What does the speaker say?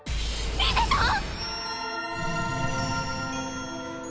リゼたん